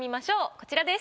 こちらです。